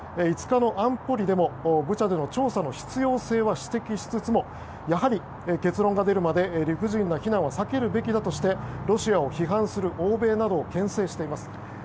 ５日の安保理でもブチャでの調査の必要性は指摘しつつもやはり、結論が出るまで理不尽な非難は避けるべきだとしてロシアを批判する欧米などを牽制しています。